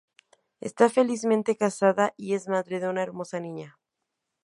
Está felizmente casada y es madre de una hermosa niña.